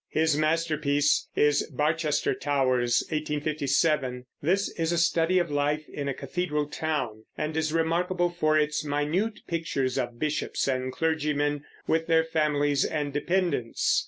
His masterpiece is Barchester Towers (1857). This is a study of life in a cathedral town, and is remarkable for its minute pictures of bishops and clergymen, with their families and dependents.